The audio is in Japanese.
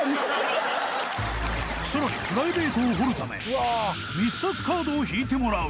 更にプライベートを掘るため密撮カードを引いてもらう